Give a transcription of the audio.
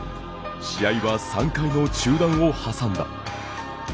試合は３回の中断を挟んだ。